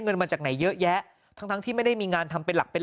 เงินมาจากไหนเยอะแยะทั้งทั้งที่ไม่ได้มีงานทำเป็นหลักเป็น